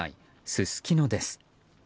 すすきのです。